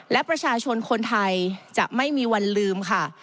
และประชาชนคนไทยจะไม่มีวันลืมค่ะ